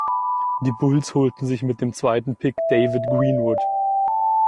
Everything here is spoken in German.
Die Bulls holten sich mit dem zweiten Pick David Greenwood.